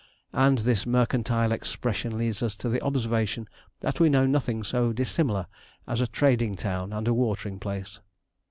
And this mercantile expression leads us to the observation that we know nothing so dissimilar as a trading town and a watering place.